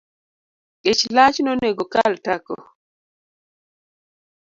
Ich lach nonego okal tako